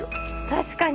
確かに！